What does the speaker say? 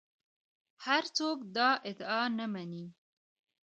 هر څوک دا ادعا نه مني